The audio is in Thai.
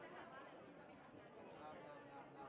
โปรดติดตามต่อไป